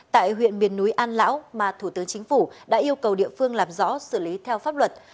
tại huyện miền núi an lão mà thủ tướng chính phủ đã yêu cầu địa phương lạp rõ xử lý theo pháp luật